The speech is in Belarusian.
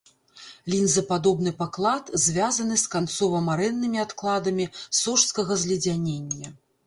Лінзападобны паклад звязаны з канцова-марэннымі адкладамі сожскага зледзянення.